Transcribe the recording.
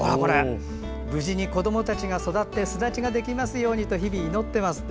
無事に子どもたちが育って巣立ちができますようにと日々、祈っています。